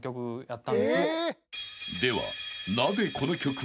［では］